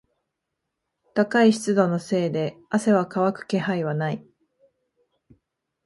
高い湿度のせいで汗は乾く気配はない。